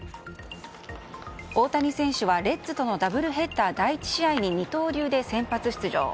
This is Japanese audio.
大谷選手はレッズとのダブルヘッダー第１試合に、二刀流で先発出場。